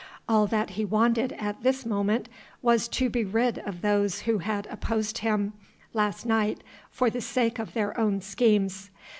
All that he wanted at this moment was to be rid of those who had opposed him last night for the sake of their own schemes.